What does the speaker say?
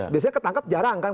biasanya ketangkap jarang kan